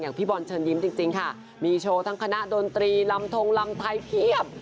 พี่บอลเชิญยิ้มจริงค่ะมีโชว์ทั้งคณะดนตรีลำทงลำไทยเพียบ